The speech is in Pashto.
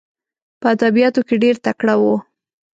په ادبیاتو کې ډېر تکړه وو.